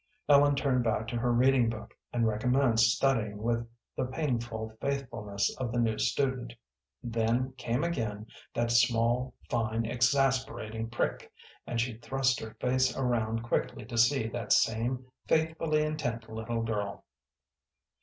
Ellen turned back to her reading book, and recommenced studying with the painful faithfulness of the new student; then came again that small, fine, exasperating prick, and she thrust her face around quickly to see that same faithfully intent little girl.